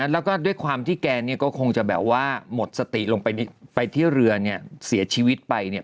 แล้วก็ด้วยความที่แกเนี่ยก็คงจะแบบว่าหมดสติลงไปที่เรือเนี่ยเสียชีวิตไปเนี่ย